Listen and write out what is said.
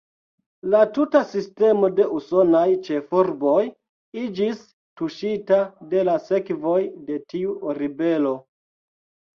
La tuta sistemo de usonaj ĉefurboj iĝis tuŝita de la sekvoj de tiu ribelo.